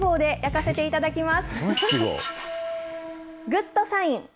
グッドサイン